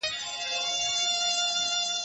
زه مېوې وچولي دي